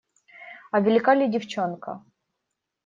А велика ли девчонка?